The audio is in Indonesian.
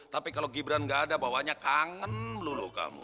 tapi kalau gibran gak ada bawanya kangen melulu kamu